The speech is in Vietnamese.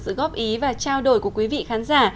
sự góp ý và trao đổi của quý vị khán giả